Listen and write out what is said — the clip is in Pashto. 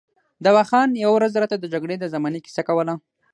دوا خان یوه ورځ راته د جګړې د زمانې کیسه کوله.